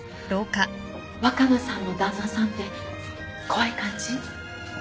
若菜さんの旦那さんって怖い感じ？